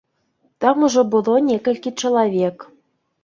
Там ужо было некалькі чалавек.